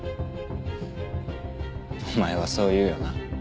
フッお前はそう言うよな。